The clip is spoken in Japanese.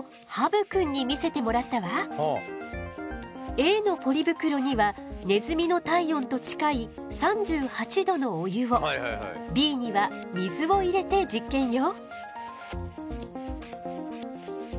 Ａのポリ袋にはネズミの体温と近い３８度のお湯をＢには水を入れて実験よ。